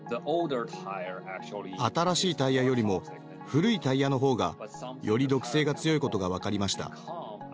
新しいタイヤよりも古いタイヤの方がより毒性が強いことがわかりました。